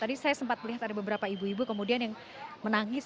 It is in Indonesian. tadi saya sempat melihat ada beberapa ibu ibu kemudian yang menangis